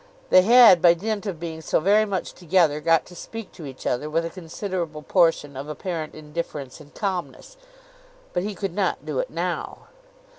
They had by dint of being so very much together, got to speak to each other with a considerable portion of apparent indifference and calmness; but he could not do it now.